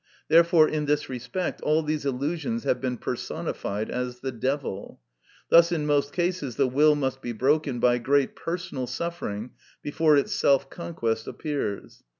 Therefore in this respect all these illusions have been personified as the devil. Thus in most cases the will must be broken by great personal suffering before its self conquest appears.